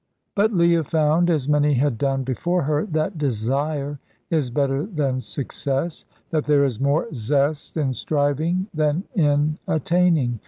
But Leah found, as many had done before her, that desire is better than success, that there is more zest in striving than in attaining.